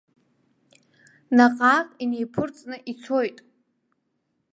Наҟ-ааҟ инеиԥырҵны ицоит.